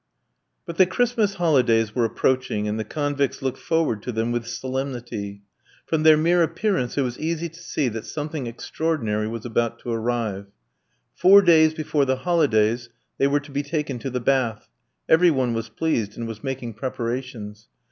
But the Christmas holidays were approaching, and the convicts looked forward to them with solemnity. From their mere appearance it was easy to see that something extraordinary was about to arrive. Four days before the holidays they were to be taken to the bath; every one was pleased, and was making preparations.